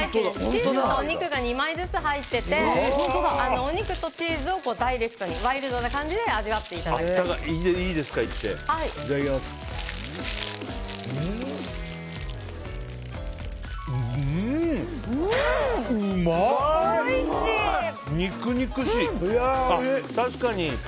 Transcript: チーズとお肉が２枚ずつ入っててお肉とチーズをダイレクトにワイルドな感じで味わっていただきたいなと。